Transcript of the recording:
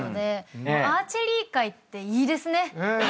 アーチェリー界っていいですね。